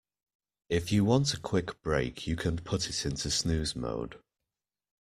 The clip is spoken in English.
If you want a quick break you can put it into snooze mode.